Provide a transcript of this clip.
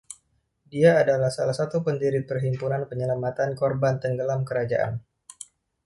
Dia adalah salah satu pendiri Perhimpunan Penyelamatan Korban Tenggelam Kerajaan.